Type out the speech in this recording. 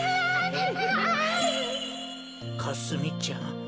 かすみちゃん。